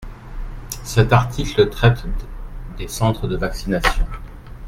Cet article traite des centres de vaccination.